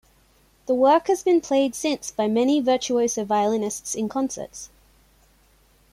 The work has been played since by many virtuoso violinists in concerts.